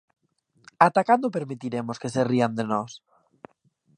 Ata cando permitiremos que se rían de nós?